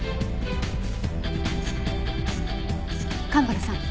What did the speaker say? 蒲原さん